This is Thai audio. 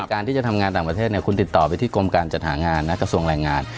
การที่จะทำงานต่างประเทศคุณติดต่อไปที่กรมการจัดหางานนะกระทรวงแรงงาน